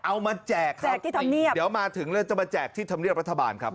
แจกครับแจกที่ธรรมเนียบเดี๋ยวมาถึงแล้วจะมาแจกที่ธรรมเนียบรัฐบาลครับ